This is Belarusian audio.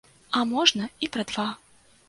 А можна, і пра два.